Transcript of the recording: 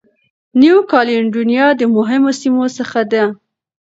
نیو کالېډونیا د مهمو سیمو څخه ده.